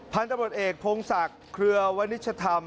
พันธุ์ตำรวจเอกโพงศักดิ์เครือวัณิชธรรม